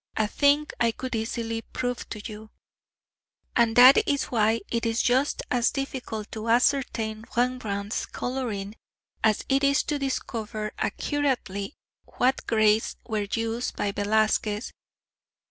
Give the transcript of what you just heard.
a thing I could easily prove to you. And that is why it is just as difficult to ascertain Rembrandt's colouring as it is to discover accurately what greys were used by Velasquez.